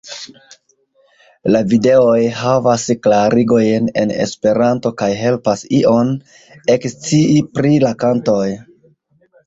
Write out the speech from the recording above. La videoj havas klarigojn en Esperanto kaj helpas ion ekscii pri la kantoj.